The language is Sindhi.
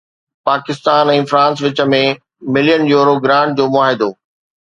پاڪستان ۽ فرانس وچ ۾ ملين يورو گرانٽ جو معاهدو